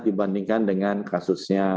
dibandingkan dengan kasusnya